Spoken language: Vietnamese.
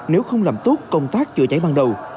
nếu không làm tốt công tác chữa cháy ban đầu